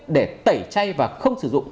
để tẩy chay và không sử dụng